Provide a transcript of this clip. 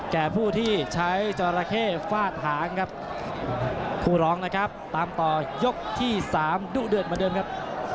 แก่ผู้ที่ใช้จราเข้ฟาดหางครับคู่ร้องนะครับตามต่อยกที่สามดุเดือดเหมือนเดิมครับ